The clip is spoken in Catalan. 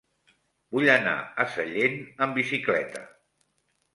Vull anar a Sallent amb bicicleta.